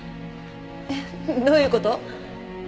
えっどういう事？